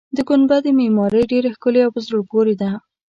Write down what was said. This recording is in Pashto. د ګنبدې معمارۍ ډېره ښکلې او په زړه پورې ده.